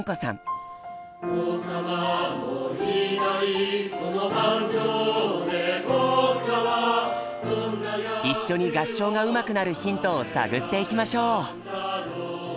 「王様もいないこの盤上で僕らは」一緒に合唱がうまくなるヒントを探っていきましょう！